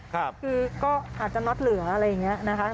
คือก็อาจจะน็อตเหลืออะไรอย่างนี้นะคะ